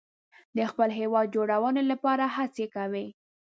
د خپل هیواد جوړونې لپاره هڅې کوي.